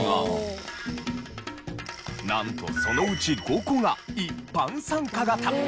なんとそのうち５個が一般参加型。